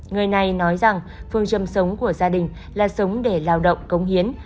người này nói rằng phương châm sống của gia đình là sống để lao động cống hiến